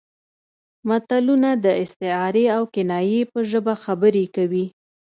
متلونه د استعارې او کنایې په ژبه خبرې کوي